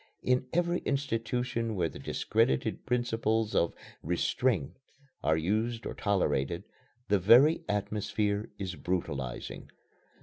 In every institution where the discredited principles of "Restraint" are used or tolerated, the very atmosphere is brutalizing.